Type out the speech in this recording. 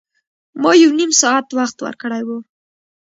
ما یو نیم ساعت وخت ورکړی و.